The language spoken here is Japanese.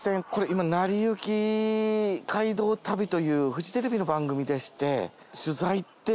今『なりゆき街道旅』というフジテレビの番組でして取材って。